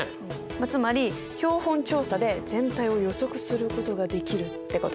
つまり標本調査で全体を予測することができるってこと。